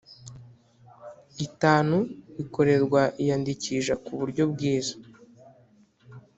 itanu bikorerwa iyandikisha ku buryo bwiza